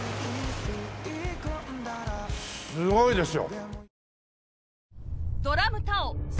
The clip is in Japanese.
すごいですよ！